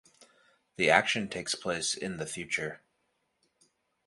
The action takes place in the future.